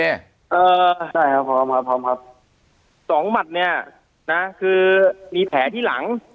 เอ่อใช่ครับพร้อมครับพร้อมครับสองหมัดเนี้ยนะคือมีแผลที่หลัง